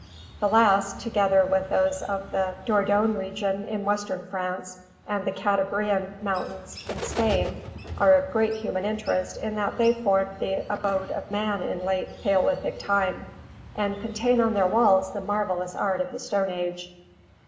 The last, together with those of the Dordogne region in western France and the Cantabrian Mountains in Spain, are of great human interest in that they formed the abode of man in late Paleolithic time, and contain on their walls the marvelous art of the Stone Age.